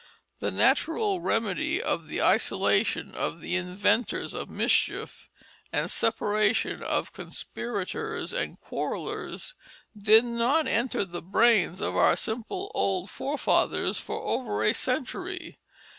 The natural remedy of the isolation of the inventors of mischief, and separation of conspirators and quarrellers, did not enter the brains of our simple old forefathers for over a century.